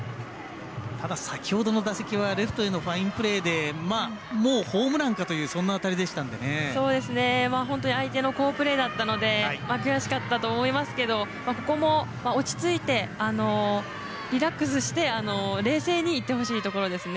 ただ、先ほどの打席はレフトへのファインプレーでもうホームランかというそんな当たりでしたので本当に相手の好プレーだったので悔しかったと思いますけどここも落ち着いてリラックスして冷静にいってほしいところですね。